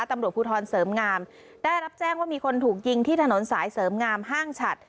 ตำรวจภูทรเสริมงามได้รับแจ้งว่ามีคนถูกยิงที่ถนนสายเสริมงามห้างฉัด